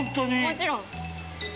◆もちろん。